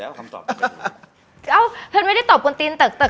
นางเอกนางร้ายนางหาคิดว่าอะไรคือแพทน้าปะพาที่สุดครับ